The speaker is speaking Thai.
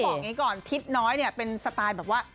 บอกอย่างนี้ก่อนทิศน้อยเนี่ยเป็นสไตล์แบบว่า